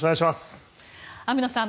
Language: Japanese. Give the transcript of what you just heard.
網野さん